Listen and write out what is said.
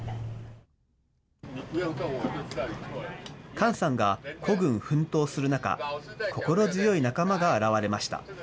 簡さんが孤軍奮闘する中、心強い仲間が現れました。